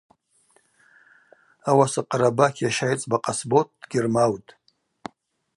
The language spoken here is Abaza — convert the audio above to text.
Ауаса Къарбакь йащайцӏба Къасбот дгьырмаутӏ.